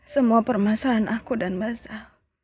semua permasalahan aku dan massa